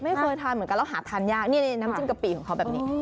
ไม่เคยทานเหมือนกันแล้วหาทานยากนี่น้ำจิ้มกะปิของเขาแบบนี้